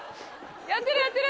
やってるやってる！